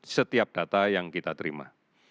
setiap data yang kita terima